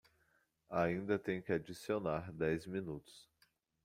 Ainda tem que adicionar dez minutos